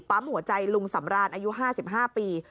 ปั๊มหัวใจลุงสำราญอายุ๕๕ปี